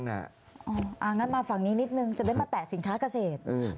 งั้นมาฝั่งนี้นิดนึงจะได้มาแตะสินค้าเกษตร